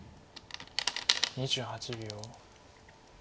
２８秒。